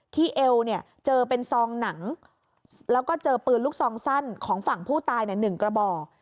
เอวเนี่ยเจอเป็นซองหนังแล้วก็เจอปืนลูกซองสั้นของฝั่งผู้ตาย๑กระบอก